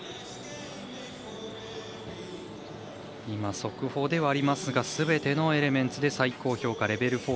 今、速報ではありますがすべてのエレメンツで最高評価レベル４。